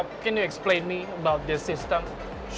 bisa lo jelaskan tentang sistem ini